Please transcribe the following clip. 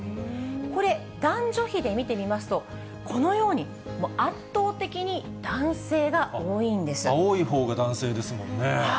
これ、男女比で見てみますと、このように圧倒的に男性が多いん青いほうが男性ですもんね。